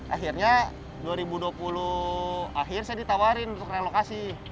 akhirnya dua ribu dua puluh akhir saya ditawarin untuk relokasi